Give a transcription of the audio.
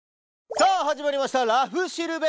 さあ始まりました「らふしるべ」！